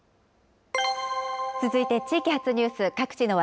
続いて、地域発ニュース。